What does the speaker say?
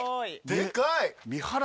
でかい。